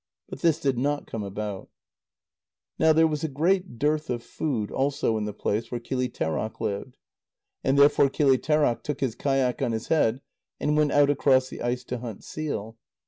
But this did not come about. But now there was great dearth of food also in the place where Kilitêraq lived. And therefore Kilitêraq took his kayak on his head and went out across the ice to hunt seal.